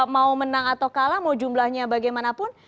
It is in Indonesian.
mau menang atau kalah mau jumlahnya bagaimanapun